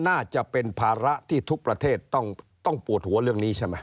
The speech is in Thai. น่าจะเป็นภาระที่ทุกประเทศต้องปวดหัวเรื่องนี้ใช่ไหม